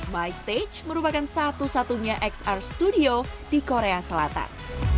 by stage merupakan satu satunya xr studio di korea selatan